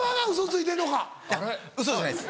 いや嘘じゃないです。